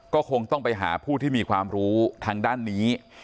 ก็คงต้องไปหาผู้ที่มีความรู้ทางด้านนี้